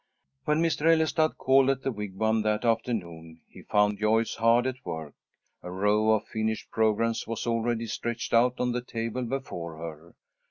When Mr. Ellestad called at the Wigwam that afternoon, he found Joyce hard at work. A row of finished programmes was already stretched out on the table before her.